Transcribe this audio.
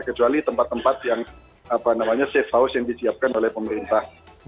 kecuali tempat tempat yang safe house yang disiapkan oleh pemerintah